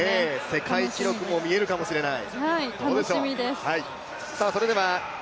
世界記録も見えるかもしれない。